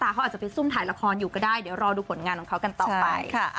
เขาอาจจะไปซุ่มถ่ายละครอยู่ก็ได้เดี๋ยวรอดูผลงานของเขากันต่อไป